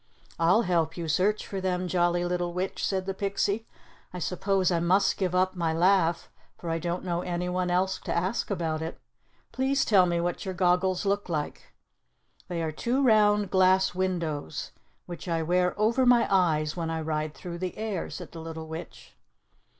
"I'll help you search for them, Jolly Little Witch," said the pixie. "I suppose I must give up my laugh, for I don't know anyone else to ask about it. Please tell me what your goggles look like." "They are two round glass windows, which I wear over my eyes when I ride through the air," said the little Witch.